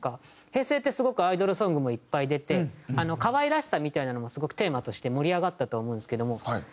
平成ってすごくアイドルソングもいっぱい出て可愛らしさみたいなのもすごくテーマとして盛り上がったと思うんですけども。